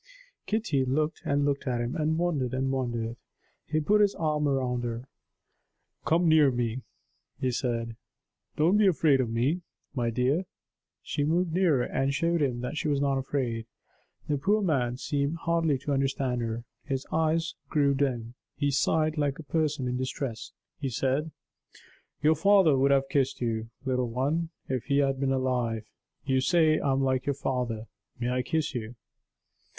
Kitty looked and looked at him, and wondered and wondered. He put his arm round her. "Come near to me," he said. "Don't be afraid of me, my dear." She moved nearer and showed him that she was not afraid. The poor man seemed hardly to understand her. His eyes grew dim; he sighed like a person in distress; he said: "Your father would have kissed you, little one, if he had been alive. You say I am like your father. May I kiss you?"